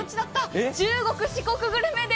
中国・四国グルメです。